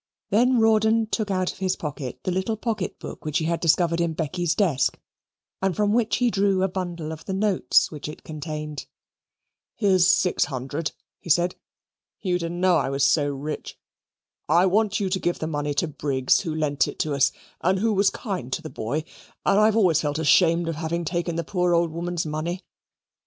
Then Rawdon took out of his pocket the little pocket book which he had discovered in Becky's desk, and from which he drew a bundle of the notes which it contained. "Here's six hundred," he said "you didn't know I was so rich. I want you to give the money to Briggs, who lent it to us and who was kind to the boy and I've always felt ashamed of having taken the poor old woman's money.